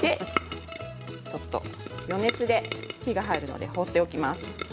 余熱で火が入るので放っておきます。